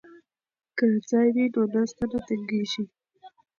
که ځای وي نو ناسته نه تنګیږي.